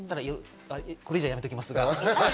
これ以上、やめておきますが。